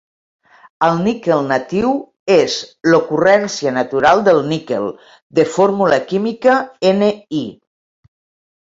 El níquel natiu és l'ocurrència natural del níquel, de fórmula química Ni.